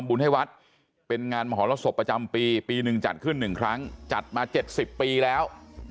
บุญให้วัดเป็นงานมหรสบประจำปีปีหนึ่งจัดขึ้น๑ครั้งจัดมา๗๐ปีแล้ว